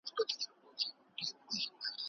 په واده کي هیڅوک باید ناراض نه وي.